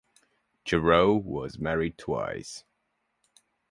Jarreau was married twice.